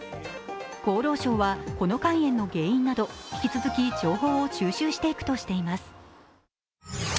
厚労省はこの肝炎の原因など、引き続き情報を収集していくとしています。